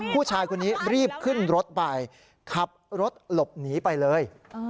ผู้ชายคนนี้รีบขึ้นรถไปขับรถหลบหนีไปเลย